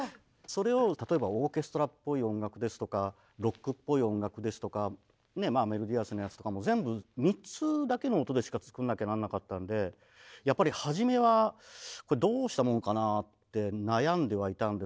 それを例えばオーケストラっぽい音楽ですとかロックっぽい音楽ですとかメロディアスなやつとかも全部３つだけの音でしか作んなきゃなんなかったんでやっぱり初めは「これどうしたもんかな」って悩んではいたんですけど。